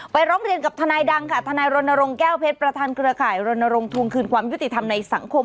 ร้องเรียนกับทนายดังค่ะทนายรณรงค์แก้วเพชรประธานเครือข่ายรณรงค์ทวงคืนความยุติธรรมในสังคม